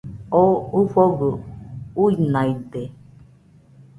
Oo ɨfogɨ uinaide